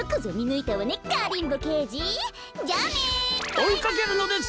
おいかけるのです！